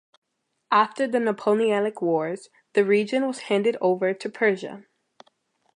After the Napoleonic Wars the region was handed over to Prussia.